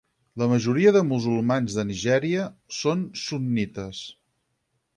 La majoria de musulmans de Nigèria són sunnites.